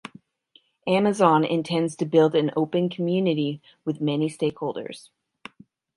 Amazon intends to build an open community with many stakeholders.